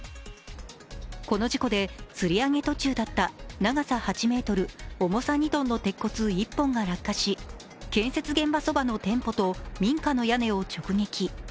この事故でつり上げ途中だった長さ８ｍ、重さ２ｔの鉄骨１本が落下し建設現場そばの店舗と民家の屋根を直撃。